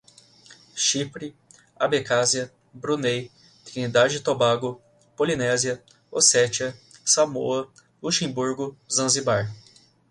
Chipre, Abecásia, Brunei, Trinidad e Tobago, Polinésia, Ossétia, Samoa, Luxemburgo, Zanzibar